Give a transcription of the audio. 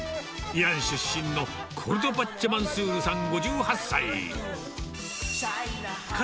イラン出身のコルドバッチェ・マンスールさん５８歳。